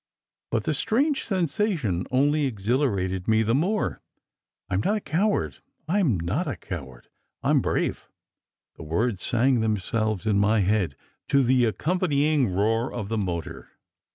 But the strange sensation only exhilarated me the more. "I m not a coward, I m not a coward. I m brave!" The words sang themselves in my head to the accompanying roar of the motor.